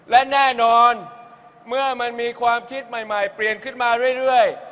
และแน่นอนเมื่อมันมีความคิดใหม่เปลี่ยนขึ้นมาเรื่อย